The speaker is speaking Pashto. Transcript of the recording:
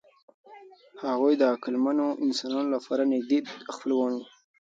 هغوی د عقلمنو انسانانو لپاره نږدې خپلوان وو.